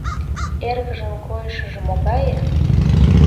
Эргыжын койышыжо могае?